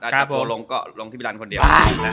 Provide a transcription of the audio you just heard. ถ้าโทรลงลงที่บิรัณคนเดียว